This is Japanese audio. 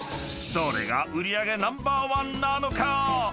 ［どれが売り上げナンバーワンなのか？］